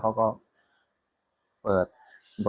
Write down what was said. เขามีอาการอย่างไรบ้างครับ